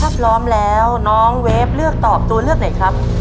ถ้าพร้อมแล้วน้องเวฟเลือกตอบตัวเลือกไหนครับ